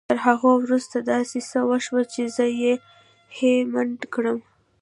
تر هغه وروسته داسې څه وشول چې زه يې هيλε مند کړم.